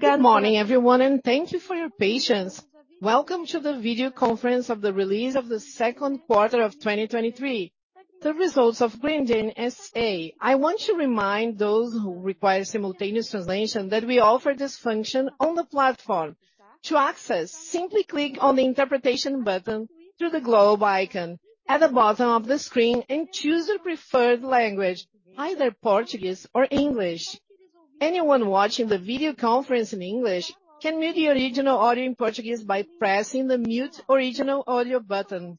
Good morning, everyone, and thank you for your patience. Welcome to the video conference of the release of the second quarter of 2023. The results of Grendene S.A. I want to remind those who require simultaneous translation, that we offer this function on the platform. To access, simply click on the interpretation button through the globe icon at the bottom of the screen and choose your preferred language, either Portuguese or English. Anyone watching the video conference in English, can mute the original audio in Portuguese by pressing the Mute Original Audio button.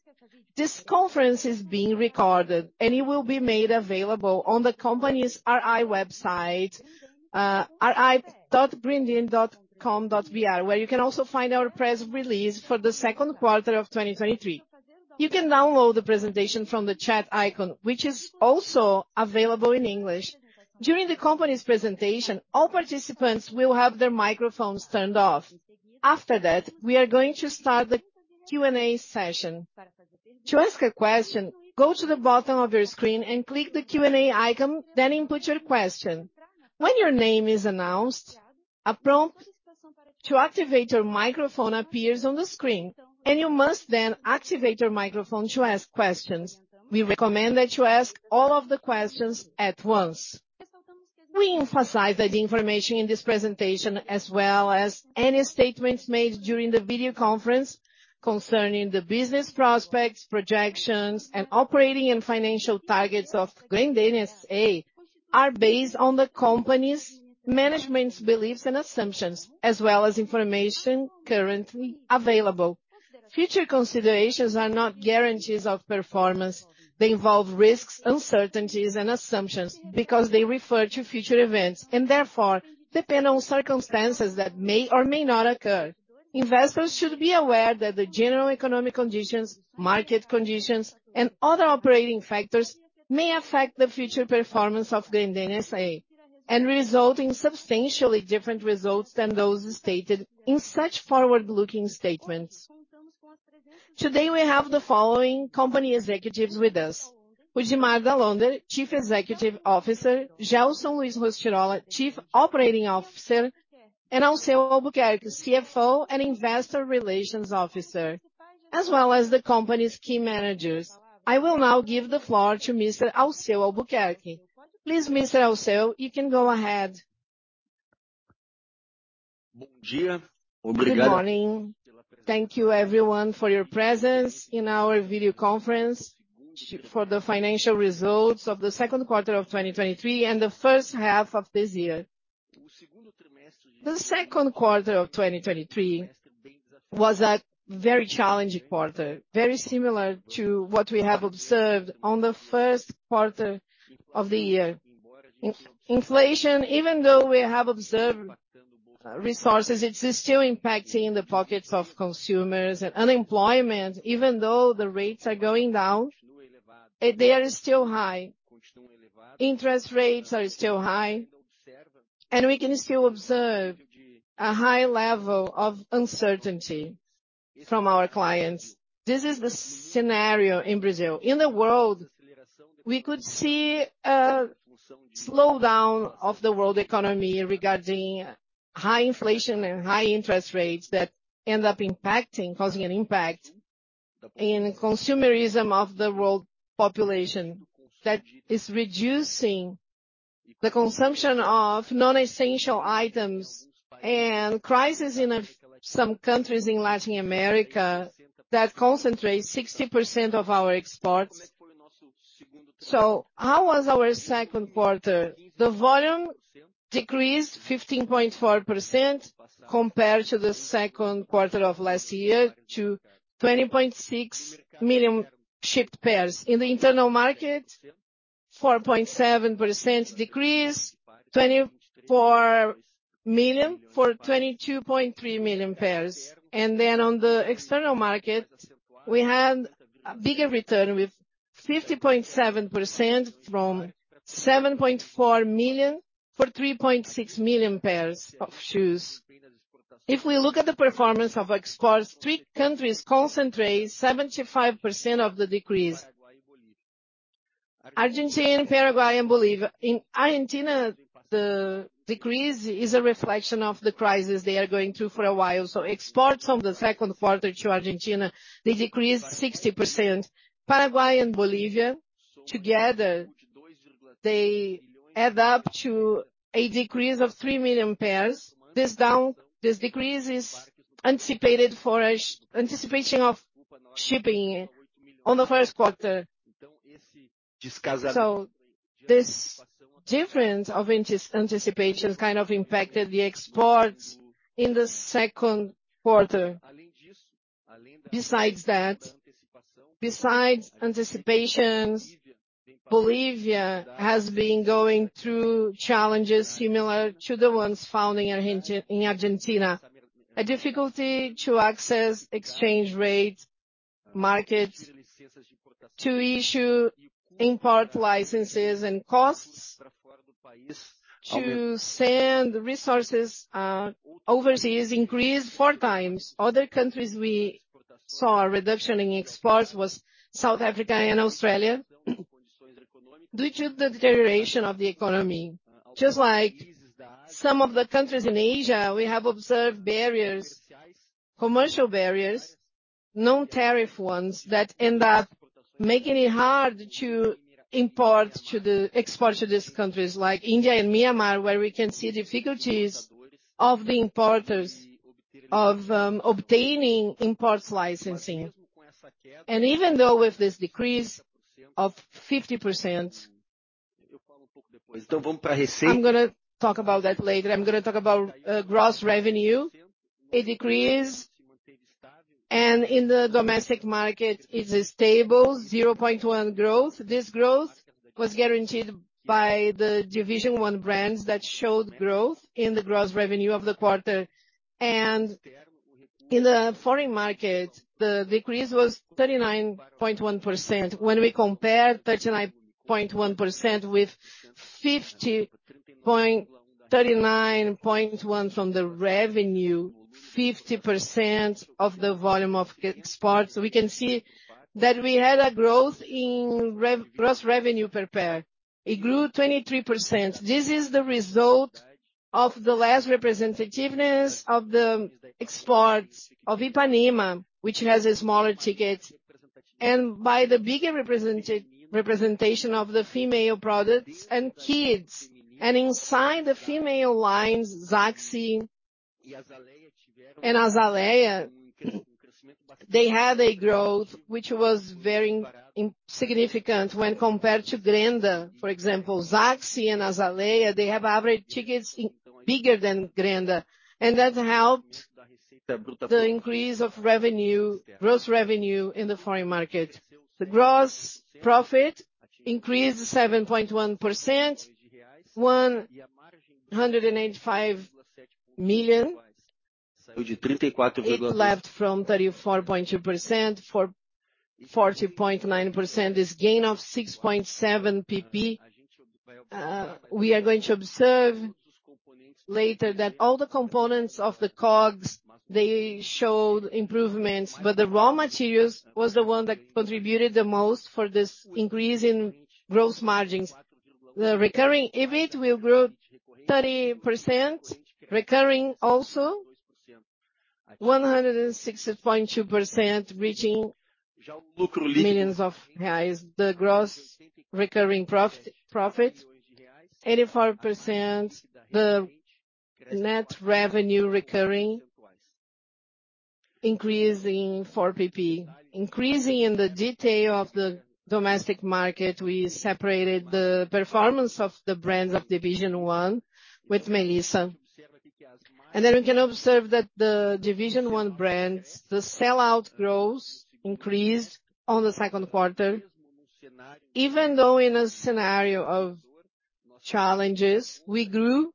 This conference is being recorded, and it will be made available on the company's RI website, ri.grendene.com.br, where you can also find our press release for the second quarter of 2023. You can download the presentation from the chat icon, which is also available in English. During the company's presentation, all participants will have their microphones turned off. After that, we are going to start the Q&A session. To ask a question, go to the bottom of your screen and click the Q&A icon, then input your question. When your name is announced, a prompt to activate your microphone appears on the screen, and you must then activate your microphone to ask questions. We recommend that you ask all of the questions at once. We emphasize that the information in this presentation, as well as any statements made during the video conference concerning the business prospects, projections, and operating and financial targets of Grendene S.A., are based on the company's management's beliefs and assumptions, as well as information currently available. Future considerations are not guarantees of performance. They involve risks, uncertainties, and assumptions because they refer to future events, and therefore, depend on circumstances that may or may not occur. Investors should be aware that the general economic conditions, market conditions, and other operating factors may affect the future performance of Grendene S.A., and result in substantially different results than those stated in such forward-looking statements. Today, we have the following company executives with us: Rudimar Dall'Onder, Chief Executive Officer, Gelson Luis Rostirolla, Chief Operating Officer, and Alceu Albuquerque, CFO and Investor Relations Officer, as well as the company's key managers. I will now give the floor to Mr. Alceu Albuquerque. Please, Mr. Alceu, you can go ahead. Good morning. Thank you everyone for your presence in our video conference for the financial results of the second quarter of 2023, and the first half of this year. The second quarter of 2023 was a very challenging quarter, very similar to what we have observed on the first quarter of the year. Inflation, even though we have observed resources, it's still impacting the pockets of consumers and unemployment, even though the rates are going down, they are still high. Interest rates are still high, and we can still observe a high level of uncertainty from our clients. This is the scenario in Brazil. In the world, we could see a slowdown of the world economy regarding high inflation and high interest rates that end up causing an impact in consumerism of the world population, that is reducing the consumption of non-essential items and crisis in some countries in Latin America, that concentrates 60% of our exports. How was our second quarter? The volume decreased 15.4% compared to the second quarter of last year, to 20.6 million shipped pairs. In the internal market, 4.7% decrease, 24 million for 22.3 million pairs. On the external market, we had a bigger return with 50.7% from 7.4 million for 3.6 million pairs of shoes. If we look at the performance of exports, three countries concentrate 75% of the decrease: Argentina, Paraguay, and Bolivia. In Argentina, the decrease is a reflection of the crisis they are going through for a while. Exports from the second quarter to Argentina, they decreased 60%. Paraguay and Bolivia, together, they add up to a decrease of three million pairs. This decrease is anticipated for anticipation of shipping on the first quarter. This difference of anticipation kind of impacted the exports in the second quarter. Besides that, besides anticipations, Bolivia has been going through challenges similar to the ones found in Argentina. A difficulty to access exchange rate markets, to issue import licenses and costs, to send resources overseas increased four times. Other countries we saw a reduction in exports was South Africa and Australia. Due to the deterioration of the economy, just like some of the countries in Asia, we have observed barriers, commercial barriers, non-tariff ones, that end up making it hard to import to export to these countries, like India and Myanmar, where we can see difficulties of the importers of obtaining imports licensing. Even though with this decrease of 50%, I'm gonna talk about that later. I'm gonna talk about gross revenue. It decreased. In the domestic market, it is stable, 0.1% growth. This growth was guaranteed by the Division 1 brands that showed growth in the gross revenue of the quarter. In the foreign market, the decrease was 39.1%. When we compare 39.1% with 39.1 from the revenue, 50% of the volume of exports, we can see that we had a growth in gross revenue per pair. It grew 23%. This is the result of the less representativeness of the exports of Ipanema, which has a smaller ticket, and by the bigger representation of the female products and kids. Inside the female lines, Zaxy and Azaleia, they had a growth, which was very insignificant when compared to Grendha. For example, Zaxy and Azaleia, they have average tickets bigger than Grendha. That helped the increase of revenue, gross revenue in the foreign market. The gross profit increased 7.1%, 185 million. It left from 34.2%, for 40.9%, this gain of 6.7 percentage points. We are going to observe later that all the components of the COGS, they showed improvements, but the raw materials was the one that contributed the most for this increase in gross margins. The recurring EBIT will grow 30%, recurring also 106.2%, reaching millions reais. The gross recurring profit, 84%. The net revenue recurring, increasing 4 percentage points. Increasing in the detail of the domestic market, we separated the performance of the brands of Division 1 with Melissa. Then we can observe that the Division 1 brands, the sell-out growth increased on the second quarter. Even though in a scenario of challenges, we grew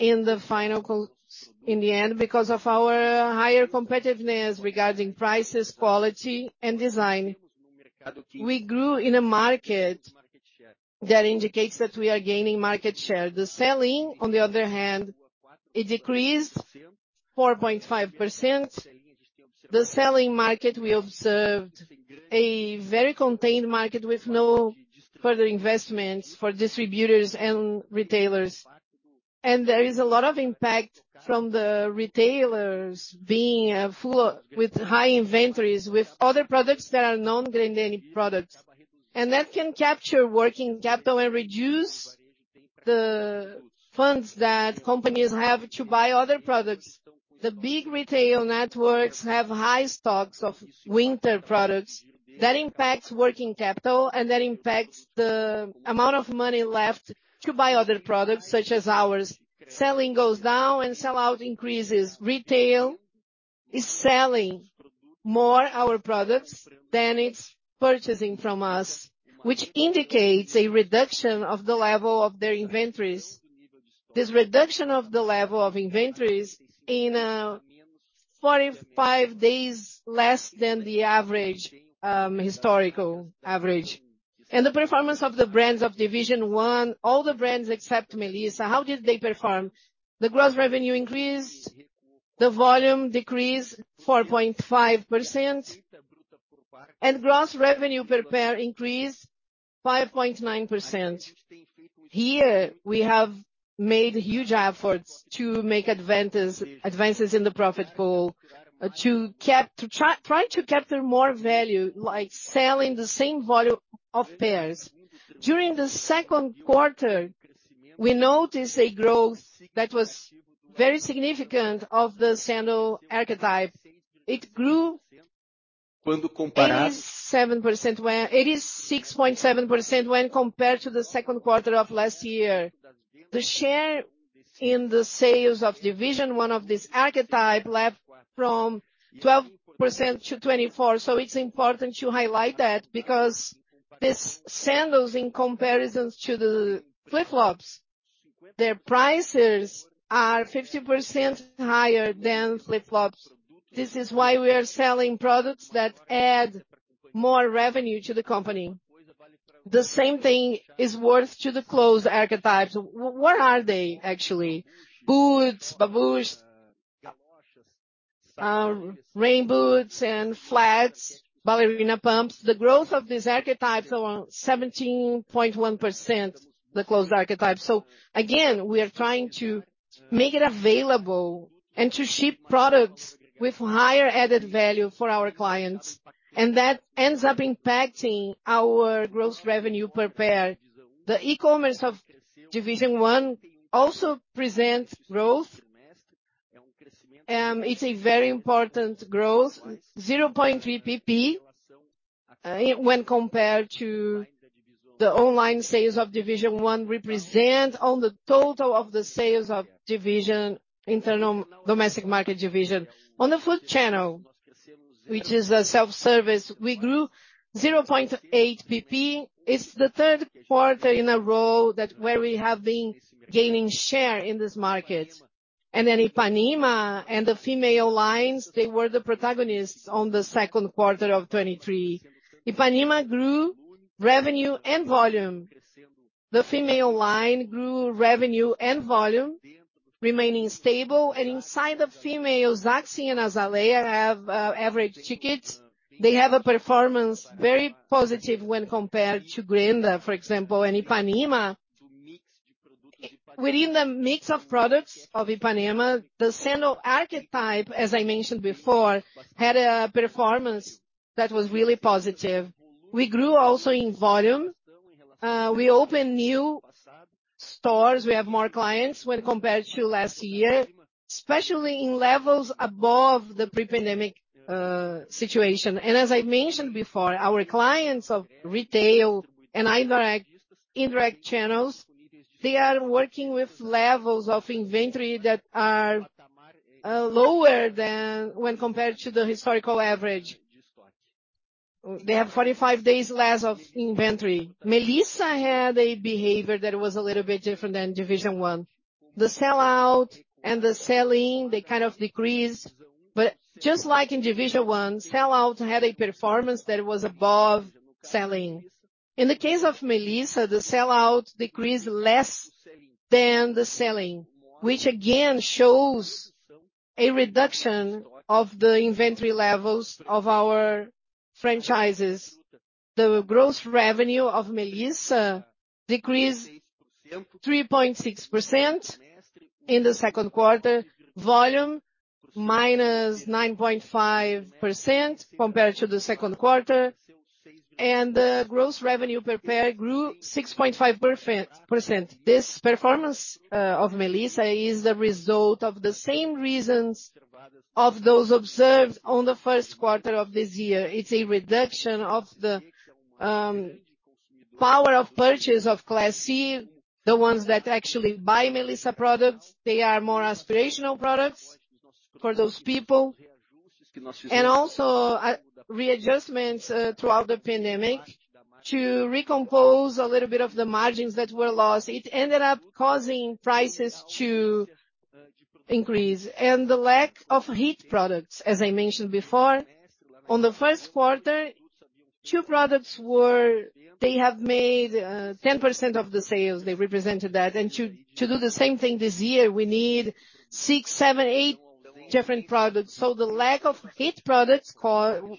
in the end, because of our higher competitiveness regarding prices, quality, and design. We grew in a market that indicates that we are gaining market share. The selling, on the other hand, it decreased 4.5%. The selling market, we observed a very contained market with no further investments for distributors and retailers. There is a lot of impact from the retailers being full with high inventories, with other products that are non-Grendene products. That can capture working capital and reduce the funds that companies have to buy other products. The big retail networks have high stocks of winter products. That impacts working capital, and that impacts the amount of money left to buy other products, such as ours. Selling goes down, and sell-out increases. Retail is selling more our products than it's purchasing from us, which indicates a reduction of the level of their inventories. This reduction of the level of inventories in 45 days, less than the average, historical average. The performance of the brands of Division 1, all the brands except Melissa, how did they perform? The gross revenue increased, the volume decreased 4.5%, and gross revenue per pair increased 5.9%. Here, we have made huge efforts to make advances, advances in the profit pool, to try to capture more value, like selling the same volume of pairs. During the second quarter, we noticed a growth that was very significant of the sandal archetype. It grew 87% when 86.7% when compared to the second quarter of last year. The share in the sales of Division 1 of this archetype left from 12% to 24. It's important to highlight that, because these sandals, in comparisons to the flip-flops, their prices are 50% higher than flip-flops. The same thing is worth to the clothes archetypes. What are they, actually? Boots, babuches, rain boots and flats, ballerina pumps. The growth of these archetypes are around 17.1%, the closed archetypes. Again, we are trying to make it available and to ship products with higher added value for our clients, and that ends up impacting our gross revenue per pair. The e-commerce of Division 1 also presents growth, it's a very important growth, 0.3 percentage points, when compared to the online sales of Division 1, represent on the total of the sales of internal domestic market division. On the food channel, which is a self-service, we grew 0.8 percentage points. It's the 3rd quarter in a row that where we have been gaining share in this market. Ipanema and the female lines, they were the protagonists on the 2nd quarter of 2023. Ipanema grew revenue and volume. The female line grew revenue and volume, remaining stable, and inside the females, Zaxy and Azaleia have average tickets. They have a performance very positive when compared to Grendha, for example, and Ipanema. Within the mix of products of Ipanema, the sandal archetype, as I mentioned before, had a performance that was really positive. We grew also in volume. We opened new stores. We have more clients when compared to last year, especially in levels above the pre-pandemic situation. As I mentioned before, our clients of retail and interact, indirect channels, they are working with levels of inventory that are lower than when compared to the historical average. They have 45 days less of inventory. Melissa had a behavior that was a little bit different than Division 1. The sell-out and the sell-in, they kind of decreased, but just like in Division 1, sell-out had a performance that was above sell-in. In the case of Melissa, the sell-out decreased less than the sell-in, which again shows a reduction of the inventory levels of our franchises. The gross revenue of Melissa decreased 3.6% in the second quarter, volume minus 9.5% compared to the second quarter, and the gross revenue per pair grew 6.5%. This performance of Melissa is the result of the same reasons of those observed on the first quarter of this year. It's a reduction of the power of purchase of Class C, the ones that actually buy Melissa products. They are more aspirational products for those people. Also, readjustments throughout the pandemic to recompose a little bit of the margins that were lost. It ended up causing prices to increase and the lack of hit products, as I mentioned before, on the first quarter, two products were they have made 10% of the sales, they represented that. To, to do the same thing this year, we need six, seven, eight different products. The lack of hit products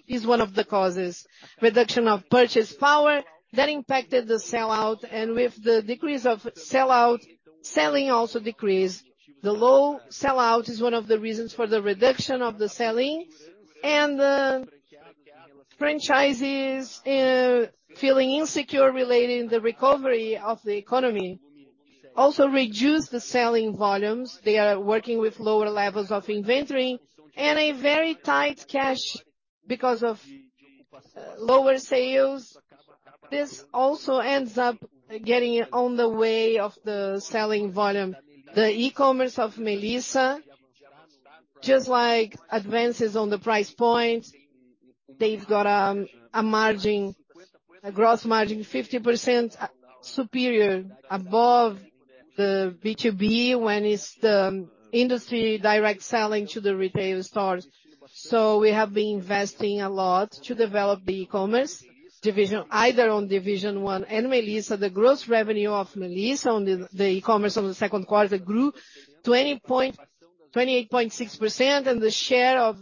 is one of the causes. Reduction of purchase power, that impacted the sell-out, and with the decrease of sell-out, selling also decreased. The low sell-out is one of the reasons for the reduction of the selling and the franchises feeling insecure relating the recovery of the economy, also reduce the selling volumes. They are working with lower levels of inventory and a very tight cash because of lower sales. This also ends up getting on the way of the selling volume. The e-commerce of Melissa, just like advances on the price point, they've got a margin, a gross margin, 50% superior above the B2B, when it's the industry direct selling to the retail stores. We have been investing a lot to develop the e-commerce division, either on Division 1 and Melissa. The gross revenue of Melissa on the e-commerce on the second quarter grew 28.6%, and the share of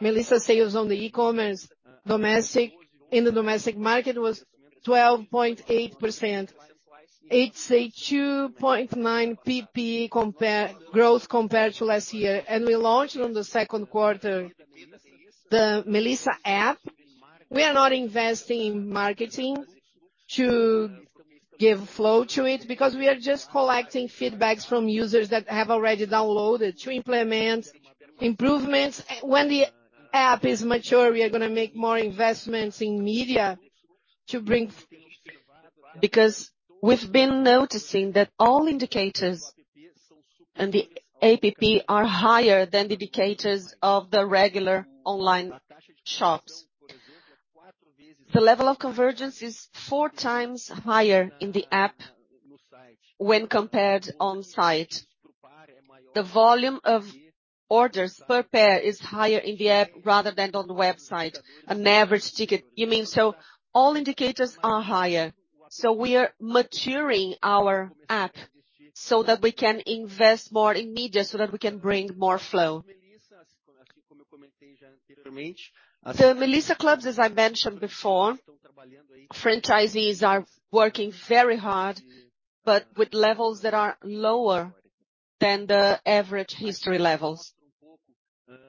Melissa sales on the e-commerce in the domestic market was 12.8%. It's a 2.9 percentage points growth compared to last year, and we launched on the second quarter the Melissa App. We are not investing in marketing to give flow to it because we are just collecting feedbacks from users that have already downloaded to implement improvements. When the App is mature, we are gonna make more investments in media because we've been noticing that all indicators and the App are higher than the indicators of the regular online shops. The level of convergence is four times higher in the app when compared on site. The volume of orders per pair is higher in the app rather than on the website. An average ticket, you mean. All indicators are higher? We are maturing our app, so that we can invest more in media, so that we can bring more flow. The Clube Melissa, as I mentioned before, franchisees are working very hard, but with levels that are lower than the average history levels.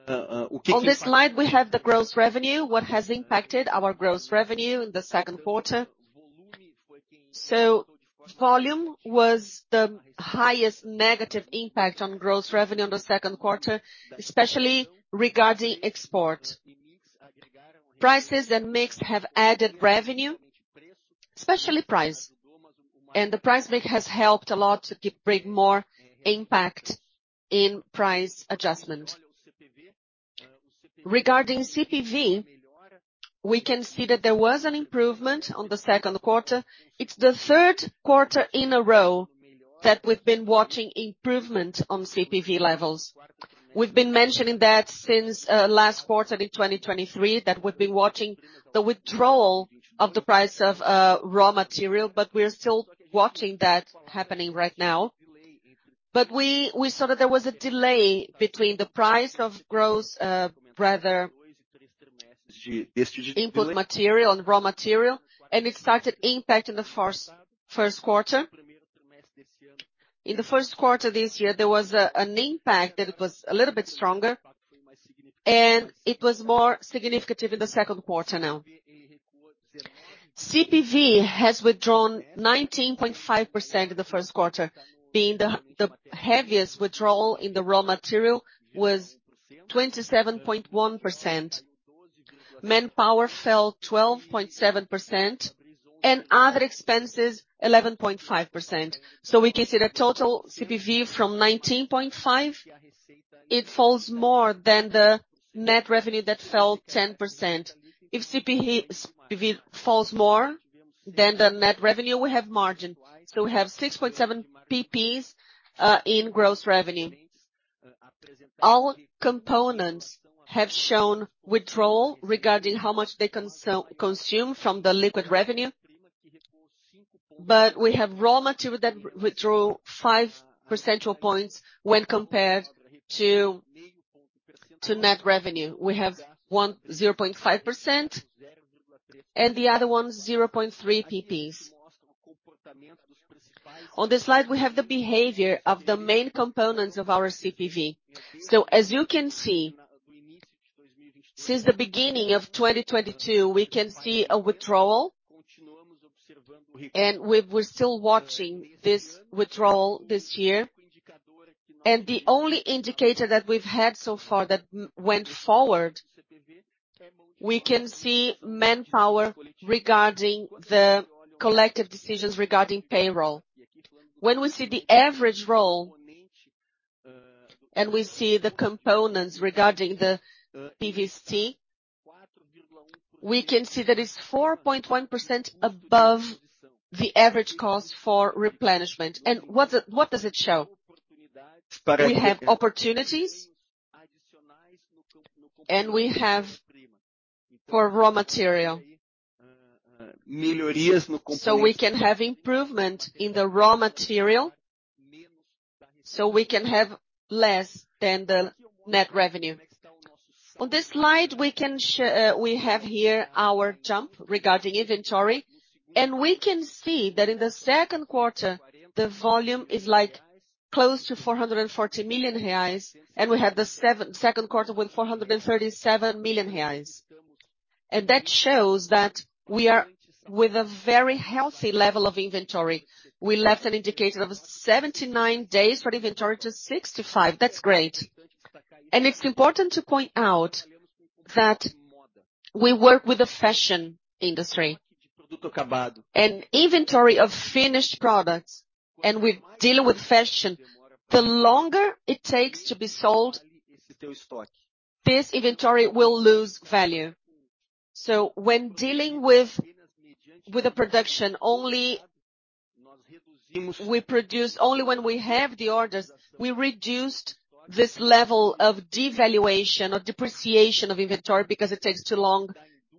On this slide, we have the gross revenue, what has impacted our gross revenue in the second quarter. Volume was the highest negative impact on gross revenue in the second quarter, especially regarding export. Prices and mix have added revenue, especially price, and the price mix has helped a lot bring more impact in price adjustment. Regarding CPV, we can see that there was an improvement on the second quarter. It's the third quarter in a row that we've been watching improvement on CPV levels. We've been mentioning that since last quarter in 2023, that we've been watching the withdrawal of the price of raw material. We are still watching that happening right now. We, we saw that there was a delay between the price of gross, rather input material and raw material, and it started impacting the first quarter. In the first quarter this year, there was an impact that it was a little bit stronger, and it was more significant in the second quarter now. CPV has withdrawn 19.5% in the first quarter, being the heaviest withdrawal in the raw material was 27.1%. Manpower fell 12.7% and other expenses, 11.5%. We can see the total CPV from 19.5, it falls more than the net revenue that fell 10%. If CPV, CPV falls more, then the net revenue, we have margin. We have 6.7 percentage points in gross revenue. All components have shown withdrawal regarding how much they consu- consume from the liquid revenue, but we have raw material that withdraw 5 percentile points when compared to, to net revenue. We have one, 0.5%, and the other one, 0.3 percentage points. On this slide, we have the behavior of the main components of our CPV. As you can see, since the beginning of 2022, we can see a withdrawal, and we- we're still watching this withdrawal this year. The only indicator that we've had so far that went forward, we can see manpower regarding the collective decisions regarding payroll. When we see the average roll, and we see the components regarding the PVC, we can see that it's 4.1% above the average cost for replenishment. What does, what does it show? We have opportunities, and we have for raw material. We can have improvement in the raw material, so we can have less than the net revenue. On this slide, we have here our jump regarding inventory, and we can see that in the second quarter, the volume is like close to 440 million reais, and we have the second quarter with 437 million reais. That shows that we are with a very healthy level of inventory. We left an indicator of 79 days for inventory to 65. That's great. It's important to point out that we work with the fashion industry. Inventory of finished products, and we're dealing with fashion, the longer it takes to be sold, this inventory will lose value. When dealing with, with the production only, we produce only when we have the orders, we reduced this level of devaluation or depreciation of inventory because it takes too long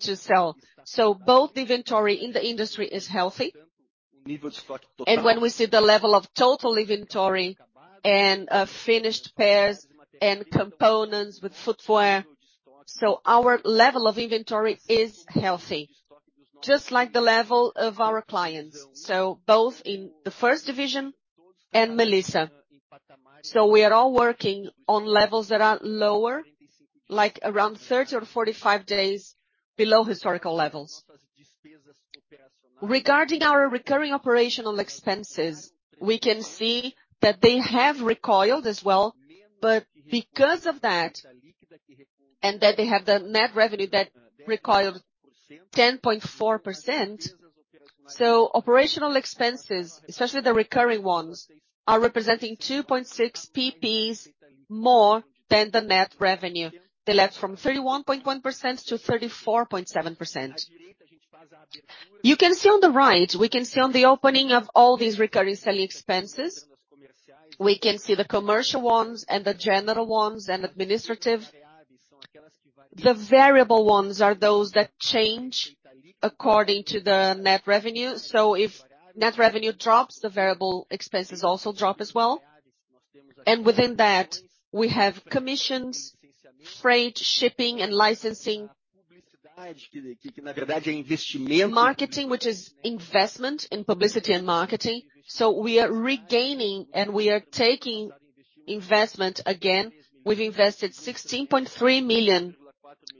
to sell. Both inventory in the industry is healthy, and when we see the level of total inventory and finished pairs and components with footwear, our level of inventory is healthy, just like the level of our clients, both in Division 1 and Melissa. We are all working on levels that are lower, like around 30 or 45 days below historical levels. Regarding our recurring operational expenses, we can see that they have recoiled as well. Because of that, and that they have the net revenue that recoiled 10.4%, operational expenses, especially the recurring ones, are representing 2.6 percentage points more than the net revenue. They left from 31.1% to 34.7%. You can see on the right, we can see on the opening of all these recurring selling expenses, we can see the commercial ones and the general ones, and administrative. The variable ones are those that change according to the net revenue. If net revenue drops, the variable expenses also drop as well. Within that, we have commissions, freight, shipping, and licensing. Marketing, which is investment in publicity and marketing. We are regaining and we are taking investment again. We've invested $16.3 million.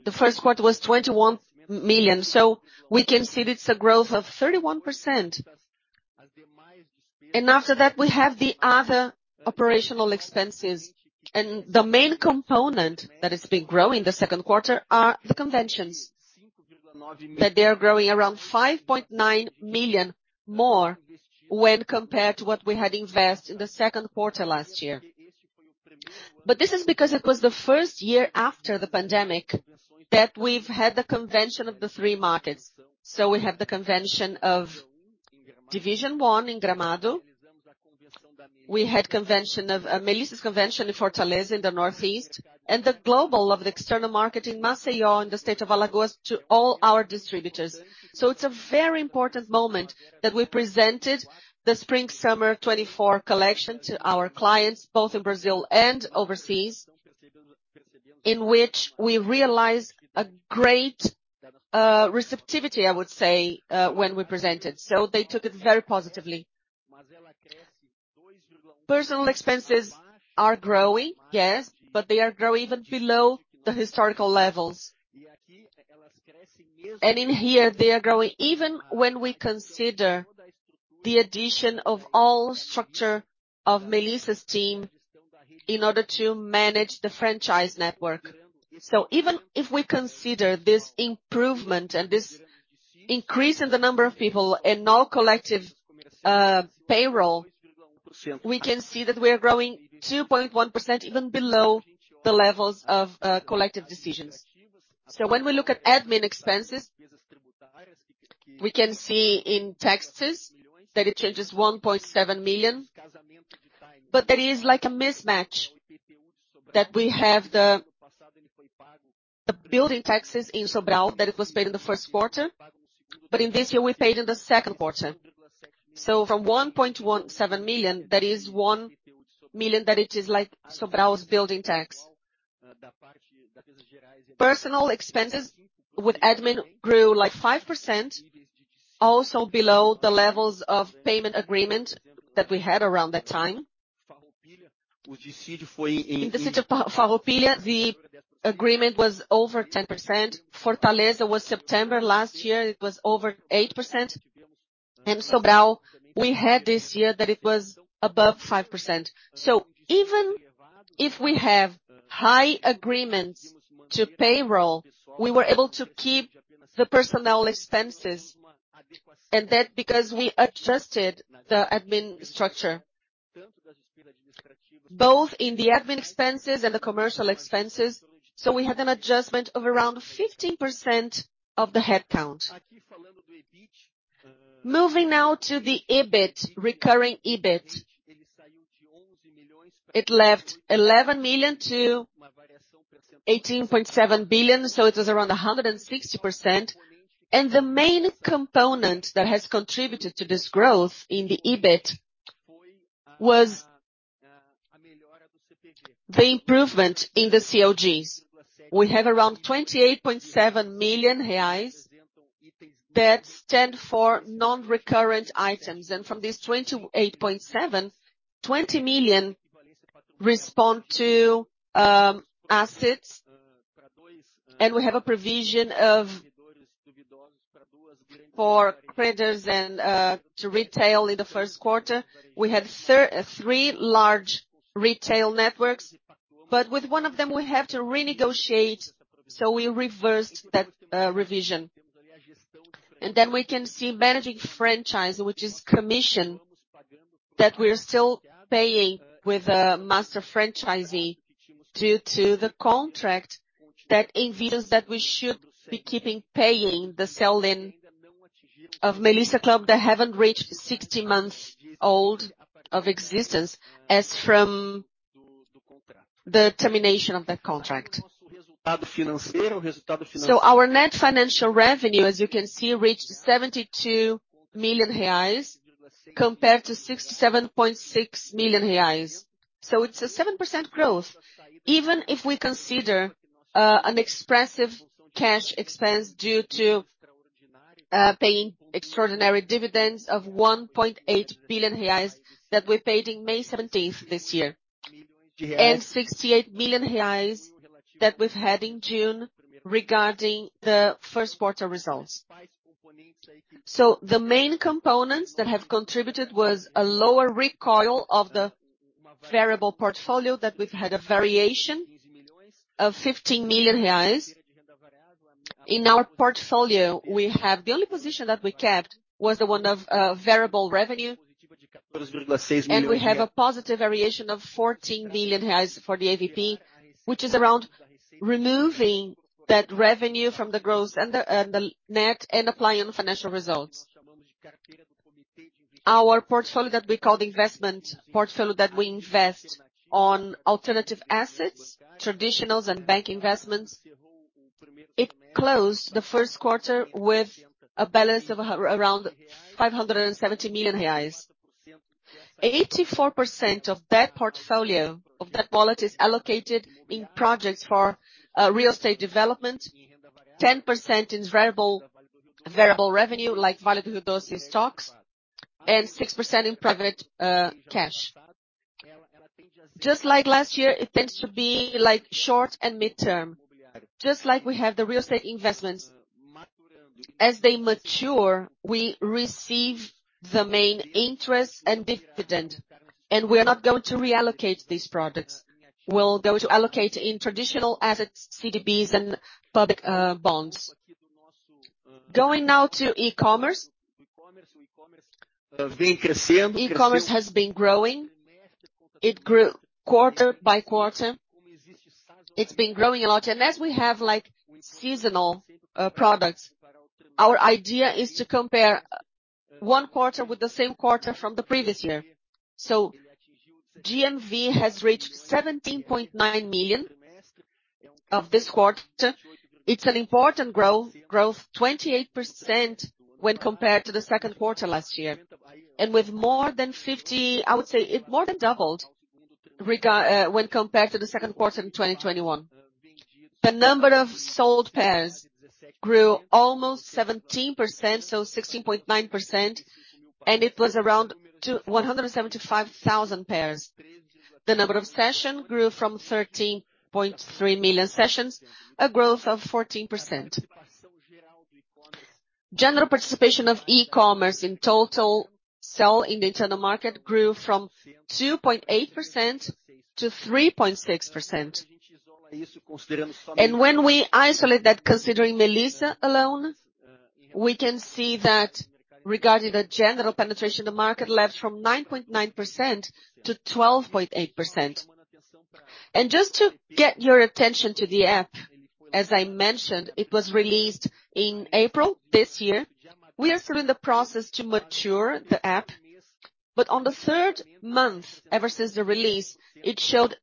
The first quarter was 21 million, so we can see it's a growth of 31%. After that, we have the other operational expenses, and the main component that has been growing in the second quarter are the conventions. That they are growing around 5.9 million more when compared to what we had invest in the second quarter last year. This is because it was the first year after the pandemic, that we've had the convention of the three markets. We have the convention of Division 1 in Gramado. We had convention of Melissa's convention in Fortaleza, in the Northeast, and the global of the external market in Maceió, in the state of Alagoas, to all our distributors. It's a very important moment that we presented the Spring/Summer 2024 collection to our clients, both in Brazil and overseas, in which we realized a great receptivity, I would say, when we presented. They took it very positively. Personal expenses are growing, yes, but they are growing even below the historical levels. In here, they are growing, even when we consider the addition of all structure of Melissa's team in order to manage the franchise network. Even if we consider this improvement and this increase in the number of people in all collective payroll, we can see that we are growing 2.1%, even below the levels of collective decisions. When we look at admin expenses, we can see in taxes that it changes 1.7 million. There is like a mismatch, that we have the, the building taxes in Sobral, that it was paid in the first quarter, but in this year, we paid in the second quarter. From 1.17 million, that is 1 million, that it is like Sobral's building tax. Personal expenses with admin grew, like, 5%, also below the levels of payment agreement that we had around that time. In the city of Farroupilha, the agreement was over 10%. Fortaleza was September last year, it was over 8%. In Sobral, we had this year that it was above 5%. Even if we have high agreements to payroll, we were able to keep the personnel expenses, and that because we adjusted the admin structure, both in the admin expenses and the commercial expenses, so we had an adjustment of around 15% of the headcount. Moving now to the EBIT, recurring EBIT. It left 11 million to 18.7 billion, so it was around 160%. The main component that has contributed to this growth in the EBIT was the improvement in the COGS. We have around 28.7 million reais that stand for non-recurrent items, and from these 28.7, 20 million respond to assets, and we have a provision for creditors and to retail in the first quarter. We had three large retail networks. With one of them, we have to renegotiate, so we reversed that revision. Then we can see managing franchise, which is commission, that we're still paying with a master franchisee due to the contract that envises that we should be keeping paying the sell-in of Clube Melissa that haven't reached 60 months old of existence as from the termination of that contract. Our net financial revenue, as you can see, reached 72 million reais compared to 67.6 million reais. It's a 7% growth. Even if we consider an expressive cash expense due to paying extraordinary dividends of 1.8 billion reais that we paid in May 17th this year, and 68 million reais that we've had in June regarding the first quarter results. The main components that have contributed was a lower recoil of the variable portfolio, that we've had a variation of 15 million reais. In our portfolio, we have-- the only position that we kept was the one of variable revenue, and we have a positive variation of 14 million for the AVP, which is around removing that revenue from the gross and the net and applying on the financial results. Our portfolio that we call the investment portfolio, that we invest on alternative assets, traditionals and bank investments, it closed the first quarter with a balance of around 570 million reais. 84% of that portfolio, of that wallet, is allocated in projects for real estate development, 10% in variable revenue, like Vale do Rio Doce stocks, and 6% in private cash. Just like last year, it tends to be like short and midterm. Just like we have the real estate investments. As they mature, we receive the main interest and dividend, and we are not going to reallocate these products. We'll go to allocate in traditional assets, CDBs and public bonds. Going now to e-commerce. E-commerce has been growing. It grew quarter-by-quarter. It's been growing a lot, and as we have, like, seasonal products, our idea is to compare one quarter with the same quarter from the previous year. GMV has reached 17.9 million of this quarter. It's an important growth, growth 28% when compared to the second quarter last year, and with more than 50-- I would say it more than doubled, regard when compared to the second quarter in 2021. The number of sold pairs grew almost 17%, so 16.9%, and it was around 175,000 pairs. The number of session grew from 13.3 million sessions, a growth of 14%. General participation of e-commerce in total sell-in the internal market grew from 2.8% to 3.6%. When we isolate that considering Melissa alone, we can see that regarding the general penetration, the market left from 9.9% to 12.8%. Just to get your attention to the app, as I mentioned, it was released in April this year. We are still in the process to mature the app, but on the third month, ever since the release, it showed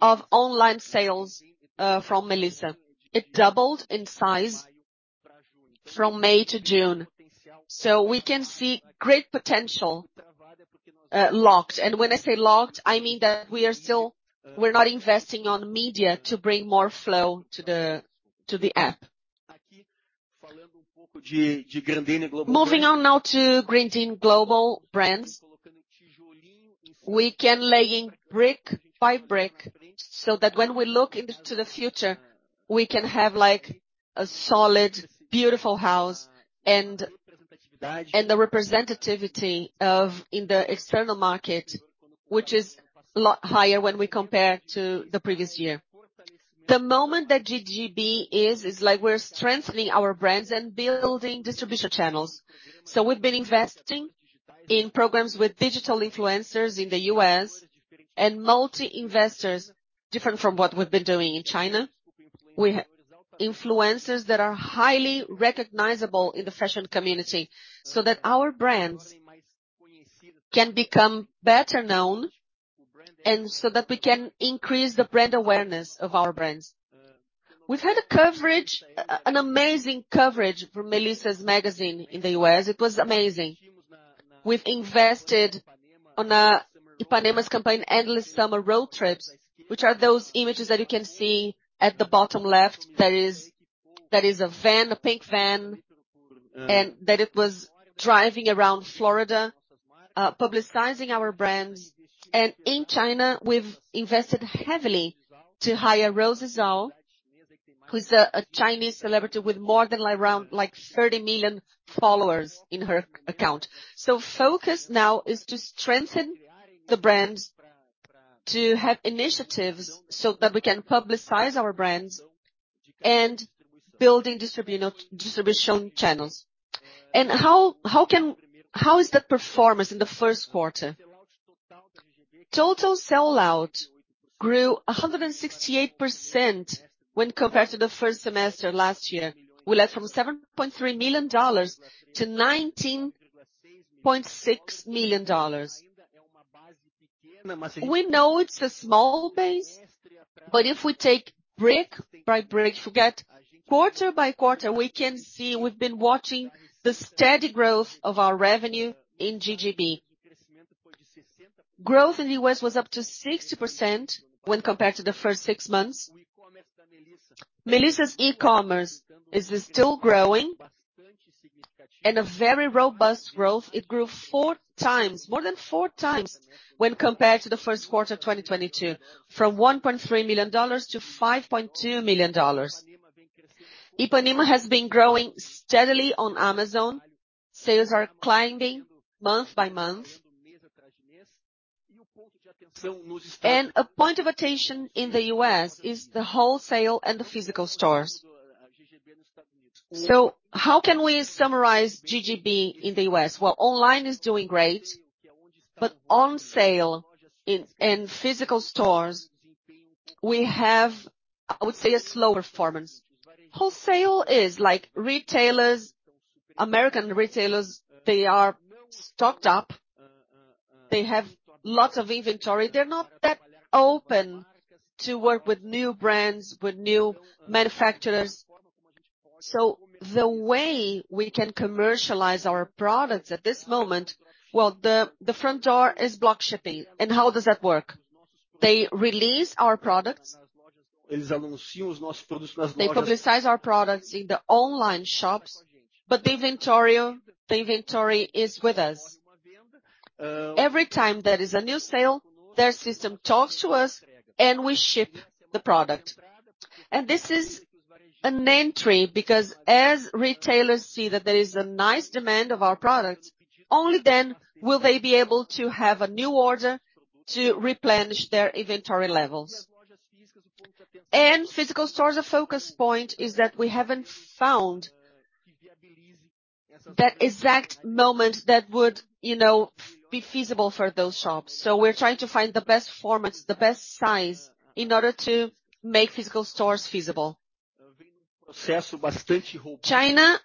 18.2 of online sales from Melissa. It doubled in size from May to June. We can see great potential locked. When I say locked, I mean that we're not investing on media to bring more flow to the app. Moving on now to Grendene Global Brands, we can laying brick by brick so that when we look into the future, we can have, like, a solid, beautiful house and the representativity in the external market, which is a lot higher when we compare to the previous year. The moment that GGB is like we're strengthening our brands and building distribution channels. We've been investing in programs with digital influencers in the U.S. and multi-investors, different from what we've been doing in China. We have influencers that are highly recognizable in the fashion community, so that our brands can become better known, and so that we can increase the brand awareness of our brands. We've had an amazing coverage from Melissa's magazine in the U.S. It was amazing. We've invested on Ipanema's campaign, Endless Summer Road Trips, which are those images that you can see at the bottom left. That is a van, a pink van, and that it was driving around Florida, publicizing our brands. In China, we've invested heavily to hire Rosy Zhao, who's a Chinese celebrity with more than around, like, 30 million followers in her account. Focus now is to strengthen the brands, to have initiatives so that we can publicize our brands and building distribution channels. How is the performance in the first quarter? Total sell-out grew 168% when compared to the first semester last year. We left from $7.3 million to $19.6 million. We know it's a small base, but if we take brick-by-brick, forget quarter-by-quarter, we can see we've been watching the steady growth of our revenue in GGB. Growth in the U.S. was up to 60% when compared to the first six months. Melissa's e-commerce is still growing and a very robust growth. It grew four times, more than four times, when compared to the first quarter of 2022, from $1.3 million to $5.2 million. Ipanema has been growing steadily on Amazon. Sales are climbing month by month. A point of attention in the U.S. is the wholesale and the physical stores. How can we summarize GGB in the U.S.? Well, online is doing great. On sale in, in physical stores, we have, I would say, a slow performance. Wholesale is like retailers, American retailers, they are stocked up, they have lots of inventory. They're not that open to work with new brands, with new manufacturers. The way we can commercialize our products at this moment, well, the, the front door is bulk shipping. How does that work? They release our products, they publicize our products in the online shops, but the inventory is with us. Every time there is a new sale, their system talks to us and we ship the product. This is an entry, because as retailers see that there is a nice demand of our products, only then will they be able to have a new order to replenish their inventory levels. Physical stores, the focus point is that we haven't found that exact moment that would, you know, be feasible for those shops. We're trying to find the best formats, the best size, in order to make physical stores feasible. China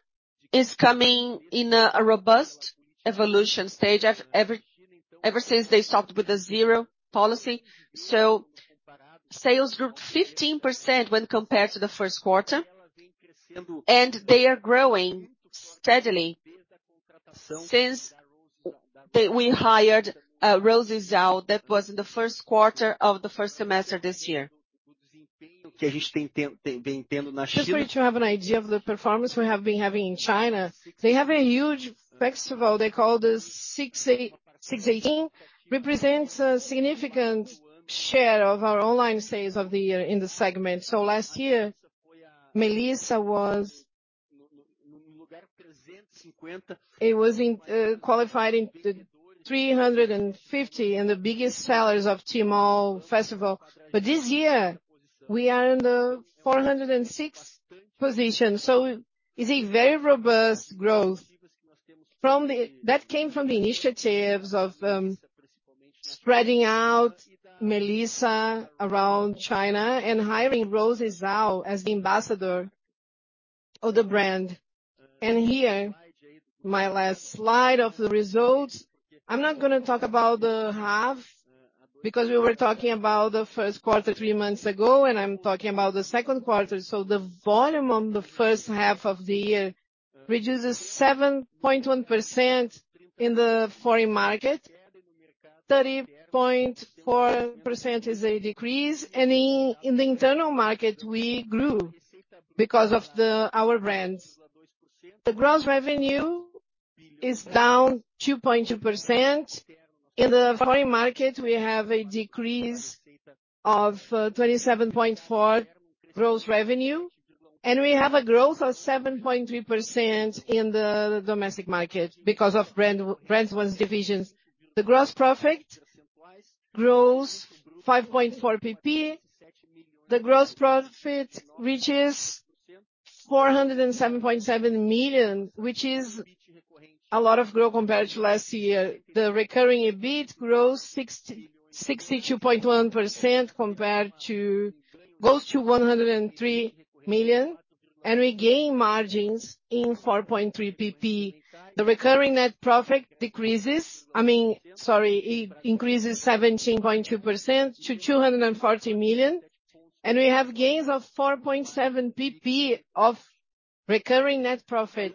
is coming in a, a robust evolution stage ever since they stopped with the zero policy. Sales grew 15% when compared to the first quarter, and they are growing steadily since we hired Rosy Zhao. That was in the first quarter of the first semester this year. Just for you to have an idea of the performance we have been having in China, they have a huge festival they call the 618, represents a significant share of our online sales of the year in the segment. Last year, Melissa was. It was in, qualified in the 350, and the biggest sellers of Tmall festival. This year, we are in the 406th position, so is a very robust growth. That came from the initiatives of spreading out Melissa around China and hiring Rosy Zhao as the ambassador of the brand. Here, my last slide of the results. I'm not gonna talk about the half, because we were talking about the first quarter, three months ago, and I'm talking about the second quarter. The volume on the first half of the year, which is a 7.1% in the foreign market, 30.4% is a decrease, and in, in the internal market, we grew because of our brands. The gross revenue is down 2.2%. In the foreign market, we have a decrease of 27.4% gross revenue, and we have a growth of 7.3% in the domestic market because of brand, brands one's divisions. The gross profit grows 5.4 percentage points. The gross profit reaches 407.7 million, which is a lot of growth compared to last year. The recurring EBIT grows 62.1% goes to 103 million, and we gain margins in 4.3 percentage points. The recurring net profit decreases, I mean, sorry, it increases 17.2% to 240 million, and we have gains of 4.7 percentage points of recurring net profit.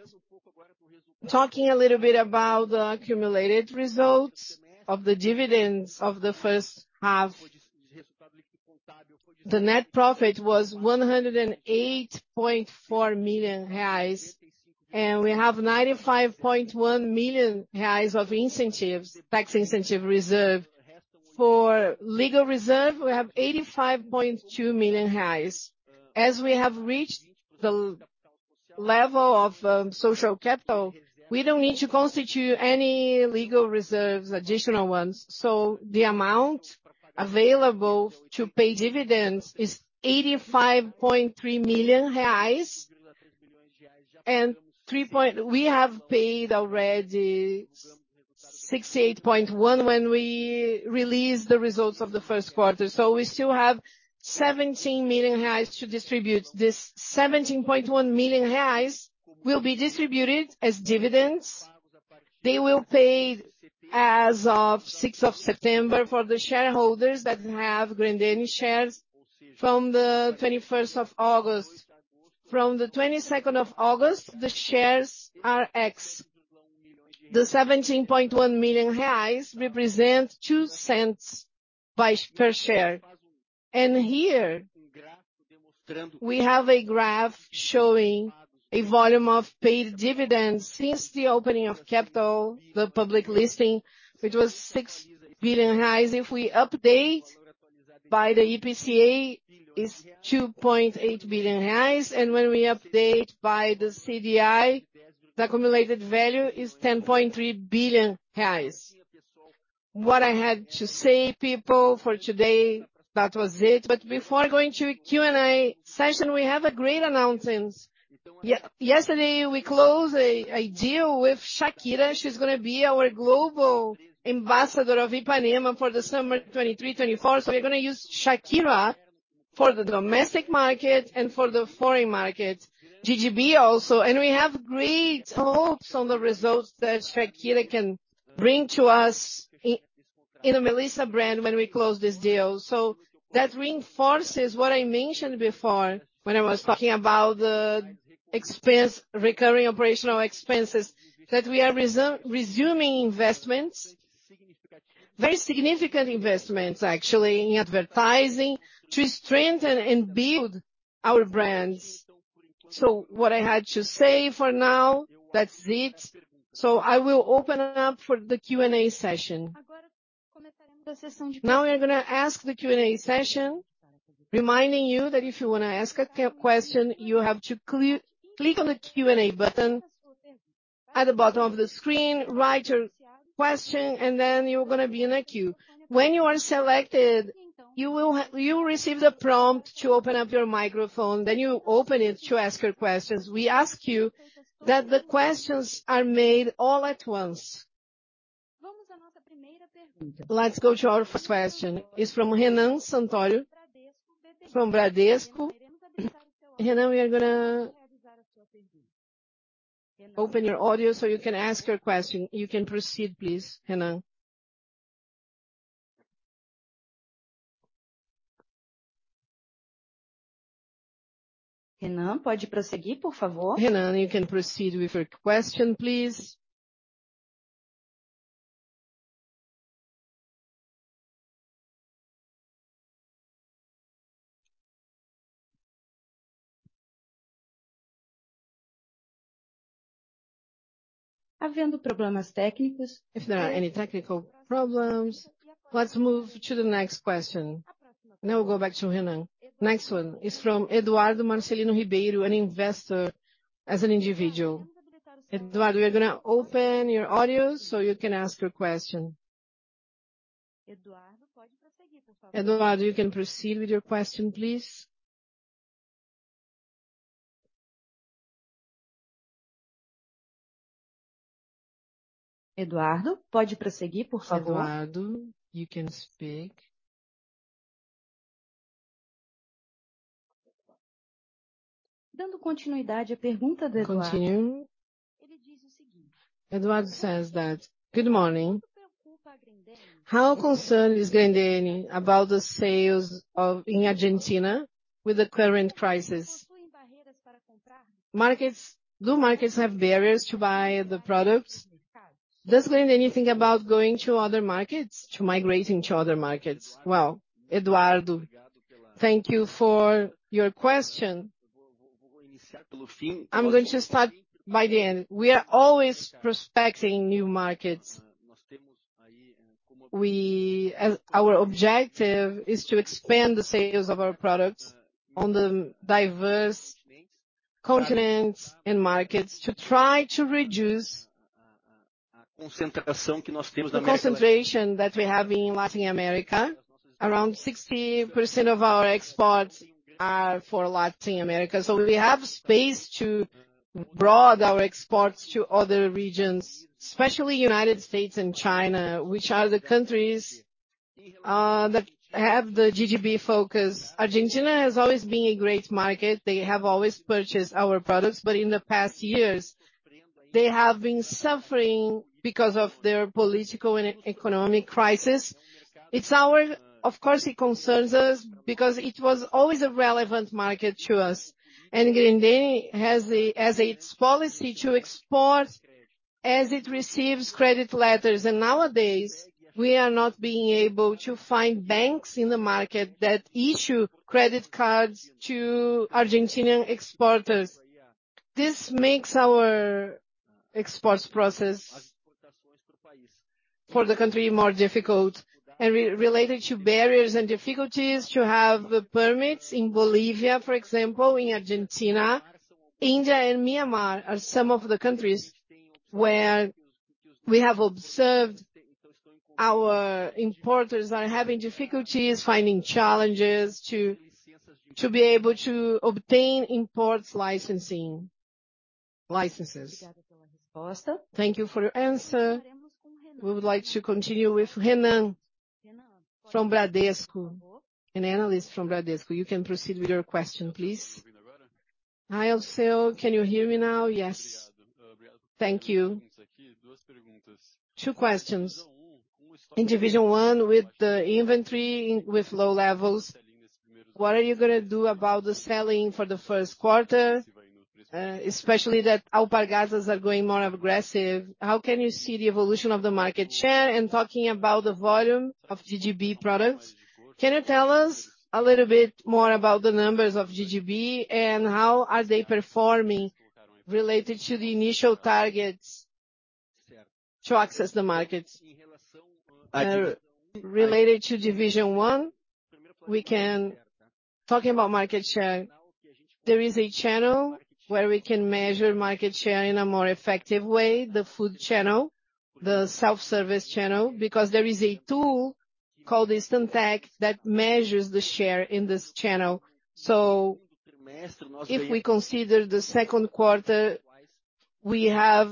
Talking a little bit about the accumulated results of the dividends of the first half, the net profit was 108.4 million reais. We have 95.1 million reais of incentives, tax incentive reserve. For legal reserve, we have 85.2 million reais. As we have reached the level of social capital, we don't need to constitute any legal reserves, additional ones. The amount available to pay dividends is 85.3 million reais. We have paid already 68.1 million when we released the results of the first quarter. We still have 17 million reais to distribute. This 17.1 million reais will be distributed as dividends. They will pay as of 6th of September for the shareholders that have Grendene shares from the 21st of August. From the 22nd of August, the shares are X. The 17.1 million reais represents 0.02 per share. Here, we have a graph showing a volume of paid dividends since the opening of capital, the public listing, which was 6 billion reais. If we update by the IPCA, is 2.8 billion reais, and when we update by the CDI, the accumulated value is 10.3 billion reais. What I had to say, people, for today, that was it. Before going to the Q&A session, we have a great announcement. Yesterday, we closed a deal with Shakira. She's gonna be our global ambassador of Ipanema for the Summer 2023-2024. We're gonna use Shakira. For the domestic market and for the foreign market, GGB also. We have great hopes on the results that Shakira can bring to us in the Melissa brand when we close this deal. That reinforces what I mentioned before, when I was talking about the recurring operational expenses, that we are resuming investments, very significant investments, actually, in advertising to strengthen and build our brands. What I had to say for now, that's it. I will open it up for the Q&A session. Now, we are gonna ask the Q&A session, reminding you that if you wanna ask a question, you have to click on the Q&A button at the bottom of the screen, write your question, and then you're gonna be in a queue. When you are selected, you will receive the prompt to open up your microphone, then you open it to ask your questions. We ask you that the questions are made all at once. Let's go to our first question. It's from Renan Santoro, from Bradesco. Renan, we are gonna open your audio, so you can ask your question. You can proceed, please, Renan. Renan, you can proceed with your question, please. Having the problems techniques. If there are any technical problems, let's move to the next question. Now we'll go back to Renan. Next one is from Eduardo Marcelino Ribeiro, an investor as an individual. Eduardo, we are gonna open your audio, so you can ask your question. Eduardo, you can proceed with your question, please. Eduardo, you can speak. Eduardo says that: Good morning. How concerned is Grendene about the sales in Argentina with the current crisis? Do markets have barriers to buy the products? Does Grendene think about going to other markets, to migrating to other markets? Well, Eduardo, thank you for your question. I'm going to start by the end. We are always prospecting new markets. As our objective is to expand the sales of our products on the diverse continents and markets to try to reduce the concentration that we have in Latin America. Around 60% of our exports are for Latin America, so we have space to broad our exports to other regions, especially United States and China, which are the countries that have the GGB focus. Argentina has always been a great market. They have always purchased our products, but in the past years, they have been suffering because of their political and economic crisis. It's Of course, it concerns us because it was always a relevant market to us, Grendene has as its policy to export, as it receives credit letters. Nowadays, we are not being able to find banks in the market that issue credit cards to Argentinian exporters. This makes our exports process for the country more difficult and re-related to barriers and difficulties to have the permits. In Bolivia, for example, in Argentina, India and Myanmar are some of the countries where we have observed our importers are having difficulties, finding challenges to, to be able to obtain imports licensing, licenses. Thank you for your answer. We would like to continue with Renan, from Bradesco. An analyst from Bradesco. You can proceed with your question, please. Hi, Alceu. Can you hear me now? Yes. Thank you. Two questions. In Division 1, with the inventory, in-- with low levels, what are you gonna do about the selling for the first quarter, especially that Alpargatas are going more aggressive? How can you see the evolution of the market share? Talking about the volume of GGB products, can you tell us a little bit more about the numbers of GGB and how are they performing related to the initial targets to access the markets? Related to Division 1, we can-- Talking about market share, there is a channel where we can measure market share in a more effective way, the food channel, the self-service channel, because there is a tool called Instant-Tech, that measures the share in this channel. If we consider the second quarter. We have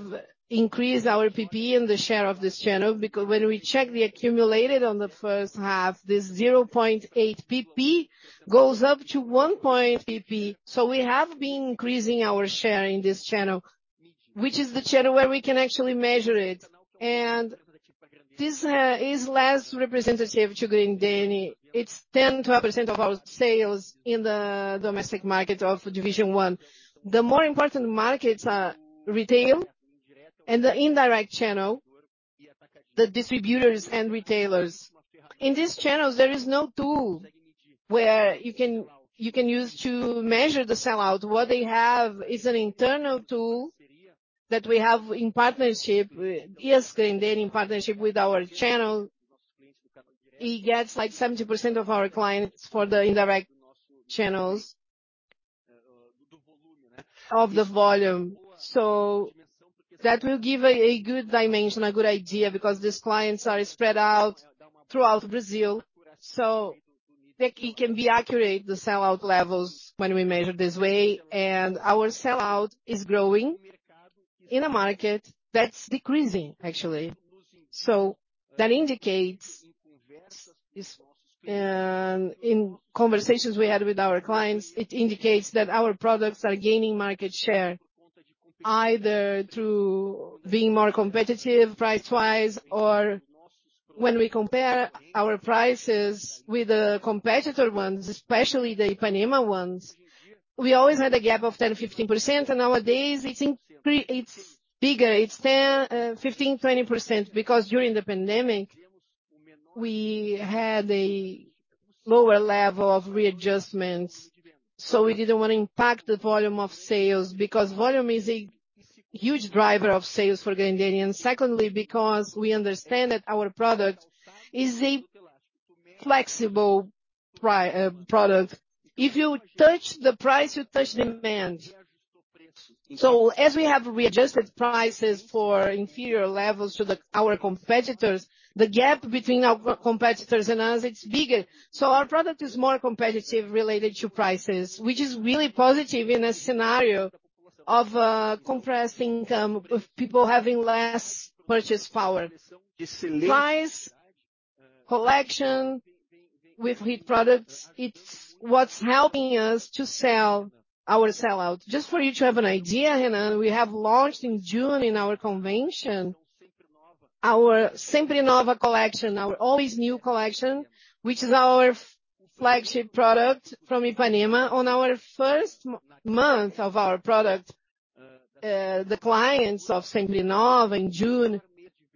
increased our percentage points in the share of this channel, because when we check the accumulated on the first half, this 0.8 percentage points goes up to 1.0 percentage points. We have been increasing our share in this channel, which is the channel where we can actually measure it. This is less representative to Grendene. It's 10%-12% of our sales in the domestic market of Division 1. The more important markets are retail and the indirect channel, the distributors and retailers. In these channels, there is no tool where you can, you can use to measure the sell-out. What they have is an internal tool that we have in partnership. Yes, Grendene, in partnership with our channel, he gets, like, 70% of our clients for the indirect channels of the volume. That will give a good dimension, a good idea, because these clients are spread out throughout Brazil. It can be accurate, the sell-out levels when we measure this way, and our sell-out is growing in a market that's decreasing, actually. That indicates, in conversations we had with our clients, it indicates that our products are gaining market share, either through being more competitive price-wise, or when we compare our prices with the competitor ones, especially the Ipanema ones, we always had a gap of 10%, 15%, and nowadays it's bigger, it's 10%, 15%, 20%, because during the pandemic, we had a lower level of readjustments, so we didn't want to impact the volume of sales, because volume is a huge driver of sales for Grendene. Secondly, because we understand that our product is a flexible product. If you touch the price, you touch demand. As we have readjusted prices for inferior levels to our competitors, the gap between our competitors and us, it's bigger. Our product is more competitive related to prices, which is really positive in a scenario of compressing of people having less purchase power. Price, collection with heat products, it's what's helping us to sell our sell-out. Just for you to have an idea, Renan, we have launched in June, in our convention, our Sempre Nova collection, our Always New collection, which is our flagship product from Ipanema. On our first month of our product, the clients of Sempre Nova in June,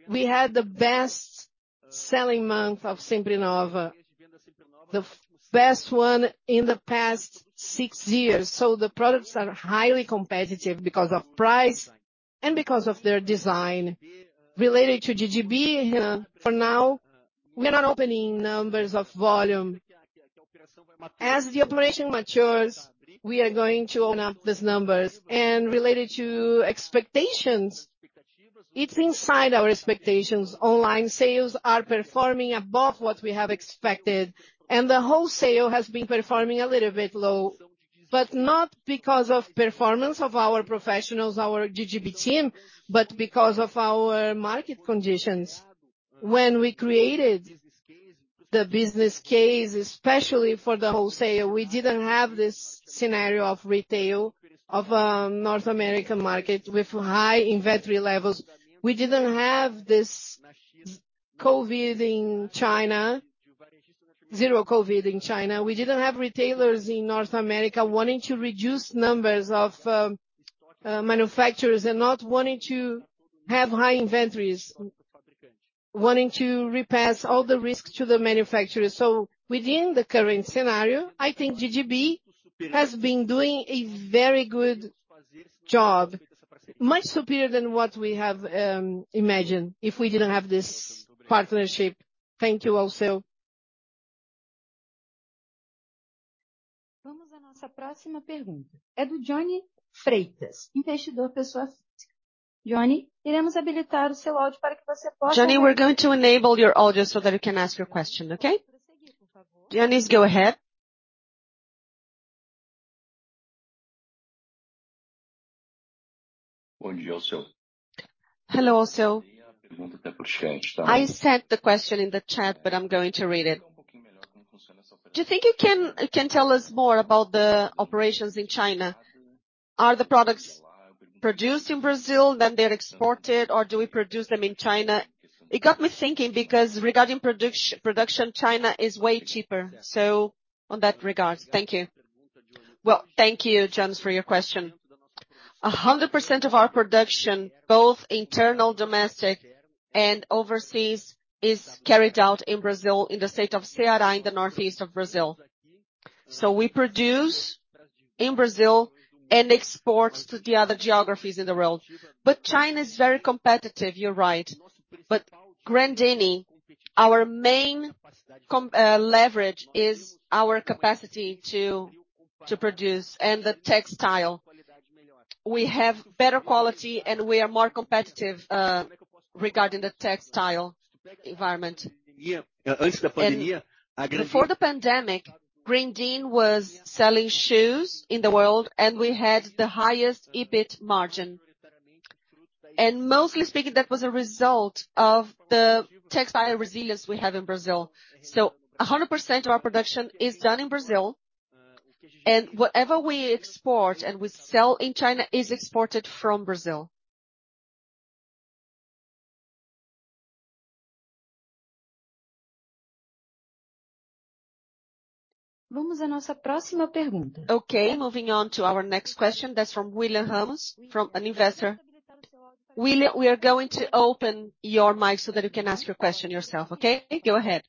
we had the best selling month of Sempre Nova, the best one in the past six years. The products are highly competitive because of price and because of their design. Related to GGB, Renan, for now, we're not opening numbers of volume. As the operation matures, we are going to open up these numbers. Related to expectations, it's inside our expectations. Online sales are performing above what we have expected, and the wholesale has been performing a little bit low, but not because of performance of our professionals, our GGB team, but because of our market conditions. When we created the business case, especially for the wholesaler, we didn't have this scenario of retail, of North American market with high inventory levels. We didn't have this COVID in China, zero COVID in China. We didn't have retailers in North America wanting to reduce numbers of manufacturers and not wanting to have high inventories, wanting to repass all the risk to the manufacturer. within the current scenario, I think GGB has been doing a very good job, much superior than what we have imagined if we didn't have this partnership. Thank you, Alceu. Johnny, we're going to enable your audio so that you can ask your question, okay? Johnny, go ahead. Hello, Alceu. I sent the question in the chat, I'm going to read it. Do you think you can tell us more about the operations in China? Are the products produced in Brazil, they're exported, or do we produce them in China? It got me thinking because regarding production, China is way cheaper. On that regards, thank you. Well, thank you, Johnny, for your question. 100% of our production, both internal, domestic, and overseas, is carried out in Brazil, in the state of Ceará, in the northeast of Brazil. We produce in Brazil and export to the other geographies in the world. China is very competitive, you're right. Grendene, our main com, leverage is our capacity to, to produce and the textile. We have better quality, and we are more competitive regarding the textile environment. Before the pandemic, Grendene was selling shoes in the world, and we had the highest EBIT margin. Mostly speaking, that was a result of the textile resilience we have in Brazil. 100% of our production is done in Brazil, and whatever we export and we sell in China is exported from Brazil. Moving on to our next question. That's from William Ramos, from an investor. William, we are going to open your mic so that you can ask your question yourself, okay? Go ahead.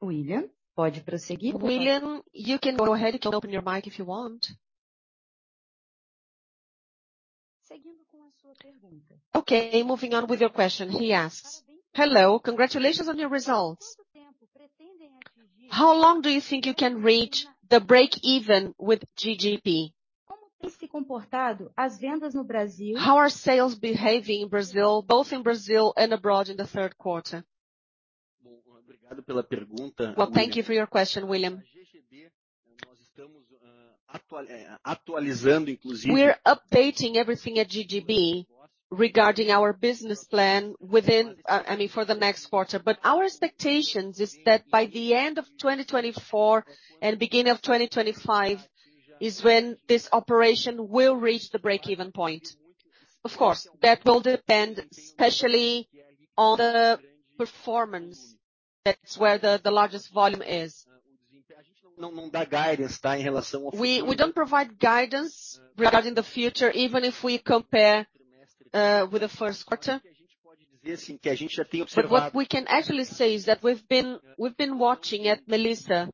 William, you can go ahead and open your mic if you want. Moving on with your question. He asks: "Hello, congratulations on your results. How long do you think you can reach the break-even with GGB? How are sales behaving in Brazil, both in Brazil and abroad in the third quarter?" Well, thank you for your question, William. We're updating everything at GGB regarding our business plan within, I mean, for the next quarter. Our expectations is that by the end of 2024 and beginning of 2025, is when this operation will reach the break-even point. Of course, that will depend especially on the performance. That's where the, the largest volume is. We, we don't provide guidance regarding the future, even if we compare with the first quarter. What we can actually say is that we've been, we've been watching at Melissa,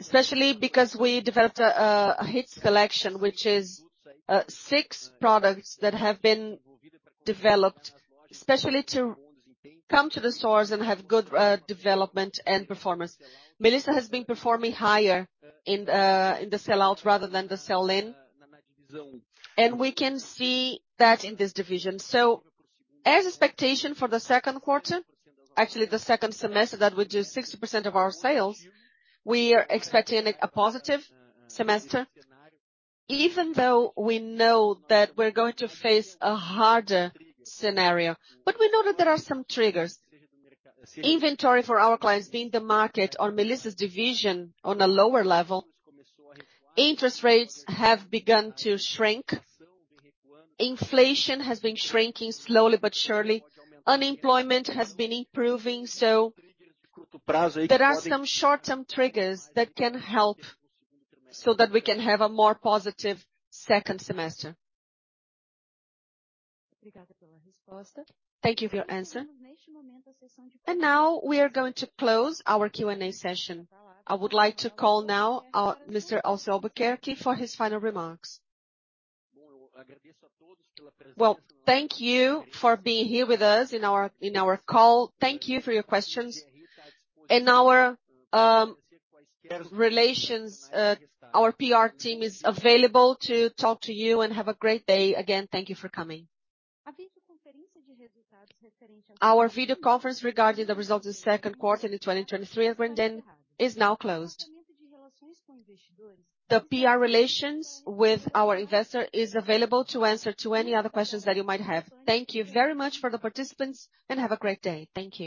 especially because we developed a hits collection, which is six products that have been developed, especially to come to the stores and have good development and performance. Melissa has been performing higher in the in the sell-out rather than the sell-in. We can see that in this division. As expectation for the second quarter, actually the second semester, that would do 60% of our sales, we are expecting a positive semester, even though we know that we're going to face a harder scenario. We know that there are some triggers. Inventory for our clients being the market on Melissa's division on a lower level, interest rates have begun to shrink, inflation has been shrinking slowly but surely. Unemployment has been improving, there are some short-term triggers that can help so that we can have a more positive second semester. Thank you for your answer. Now we are going to close our Q&A session. I would like to call now our Mr. Alceu Albuquerque for his final remarks. Well, thank you for being here with us in our, in our call. Thank you for your questions. Our relations, our PR team is available to talk to you and have a great day. Again, thank you for coming. Our video conference regarding the results of the second quarter in 2023 is now closed. The PR relations with our investor is available to answer to any other questions that you might have. Thank you very much for the participants, and have a great day. Thank you.